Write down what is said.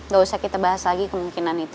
gak usah kita bahas lagi kemungkinan itu